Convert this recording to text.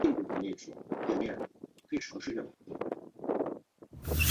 卡尔卡斯闻之即和盘托出并要求阿伽门侬归还克律塞伊斯。